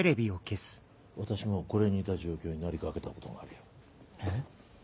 私もこれに似た状況になりかけたことがあるよ。え？